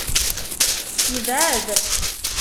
Yebɛed?